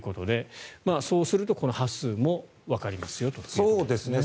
そうするとこの端数もわかりますよということですね。